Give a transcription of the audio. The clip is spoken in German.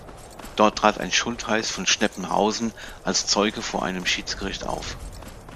Dort trat ein Schultheiß von Schneppenhausen als Zeuge vor einem Schiedsgericht auf.